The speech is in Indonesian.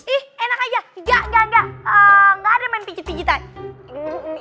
ih enak aja enggak enggak enggak enggak ada main pijit pijitan